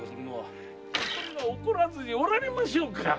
これが怒らずにおられましょうか。